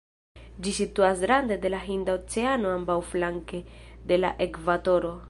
Ĝi situas rande de la Hinda Oceano ambaŭflanke de la ekvatoro.